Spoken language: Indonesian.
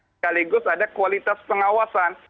sekaligus ada kualitas pengawasan